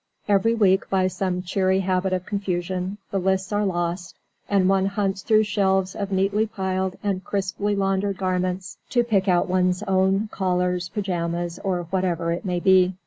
Every week, by some cheery habit of confusion, the lists are lost, and one hunts through shelves of neatly piled and crisply laundered garments to pick out one's own collars, pyjamas, or whatever it may be.